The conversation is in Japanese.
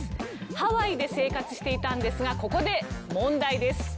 ハワイで生活していたんですがここで問題です。